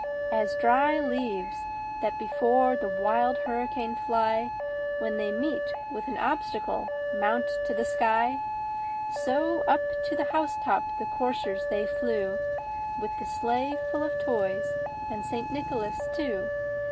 As dry leaves that before the wild hurricane fly, When they meet with an obstacle, mount to the sky, So up to the house top the coursers they flew, With the sleigh full of toys, and St. Nicholas too.